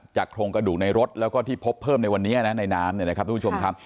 โครงกระดูกในรถแล้วก็ที่พบเพิ่มในวันนี้นะในน้ำเนี่ยนะครับทุกผู้ชมครับ